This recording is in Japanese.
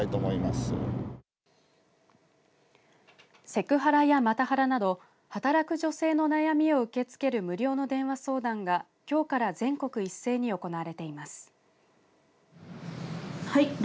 セクハラや、マタハラなど働く女性の悩みを受け付ける無料の電話相談がきょうから全国一斉に行われています。